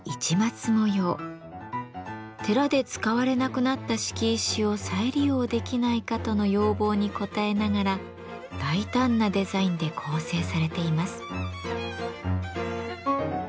「寺で使われなくなった敷石を再利用できないか」との要望に応えながら大胆なデザインで構成されています。